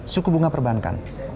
suku bunga perbankan